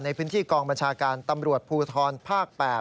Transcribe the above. ในพื้นที่กองบัญชาการตำรวจภูทรภาค๘